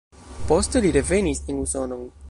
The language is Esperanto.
Poste li revenis en Usonon.